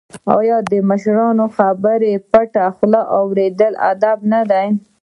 آیا د مشرانو خبرې په پټه خوله اوریدل ادب نه دی؟